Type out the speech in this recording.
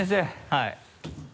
はい。